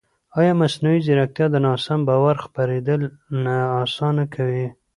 ایا مصنوعي ځیرکتیا د ناسم باور خپرېدل نه اسانه کوي؟